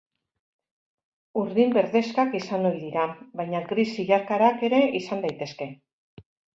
Urdin-berdexkak izan ohi dira, baina gris zilarkarak ere izan daitezke.